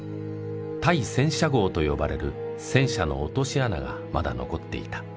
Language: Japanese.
対戦車壕と呼ばれる戦車の落とし穴がまだ残っていた。